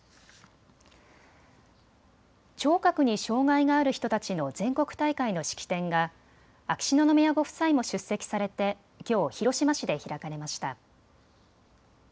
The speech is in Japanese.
聴覚に障害がある人たちの全国大会の式典が秋篠宮ご夫妻も出席されてきょう、広島市で開かれました。